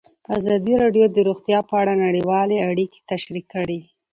ازادي راډیو د روغتیا په اړه نړیوالې اړیکې تشریح کړي.